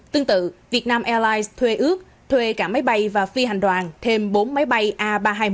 tương tự vietnam airlines thuê ước thuê cả máy bay và phi hành đoàn thêm bốn máy bay a ba trăm hai mươi